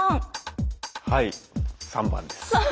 はい３番です。